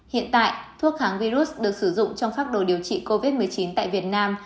hiện tại thuốc kháng virus được sử dụng trong phác đồ điều trị covid một mươi chín tại việt nam